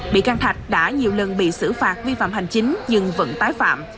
bị can thạch đã nhiều lần bị xử phạt vi phạm hành chính nhưng vẫn tái phạm